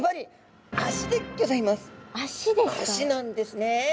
足なんですねえ。